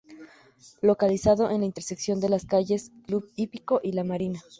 Localizado en la intersección de las calles Club Hípico y La Marina.